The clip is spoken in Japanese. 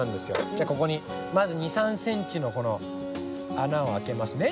じゃここにまず２３ｃｍの穴をあけますね。